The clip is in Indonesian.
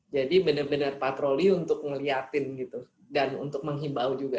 jadi benar benar patroli untuk melihat dan untuk menghimbau juga